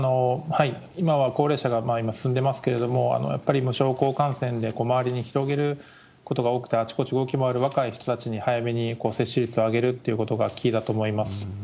今は高齢者が進んでいますけれども、やっぱり無症候感染で周りに広げることが多くて、あちこち動き回る若い人たちに早めに接種率を上げるってことがキーだと思います。